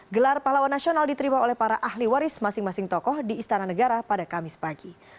gelar pahlawan nasional diterima oleh para ahli waris masing masing tokoh di istana negara pada kamis pagi